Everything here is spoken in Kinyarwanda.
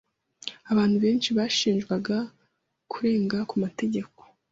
Abantu benshi bashinjwaga kurenga ku mategeko.